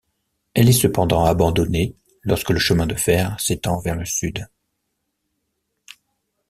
Elle est cependant abandonnée lorsque le chemin de fer s'étend vers le sud.